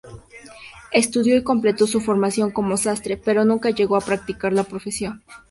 Estudió y completó su formación como sastre, pero nunca llegó a practicar la profesión.